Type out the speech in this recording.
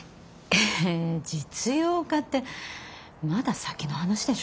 え実用化ってまだ先の話でしょ？